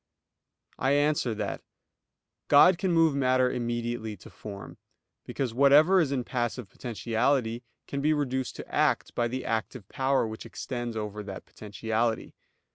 I answer that, God can move matter immediately to form; because whatever is in passive potentiality can be reduced to act by the active power which extends over that potentiality.